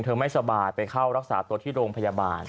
ไม่สบายไปเข้ารักษาตัวที่โรงพยาบาล